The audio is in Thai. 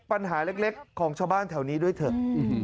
ปัญหาเล็กของชาวบ้านแถวนี้ด้วยเถอะ